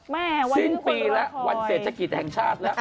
แม่วันนี้คุณรอคอยสิ้นปีแล้ววันเศรษฐกิจแห่งชาติแล้ว